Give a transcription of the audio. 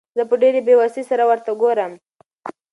زه په ډېرې بېوسۍ سره ورته ګورم.